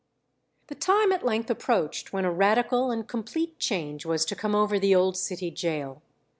The time at length approached when a radical and complete change was to come over the old city gaol.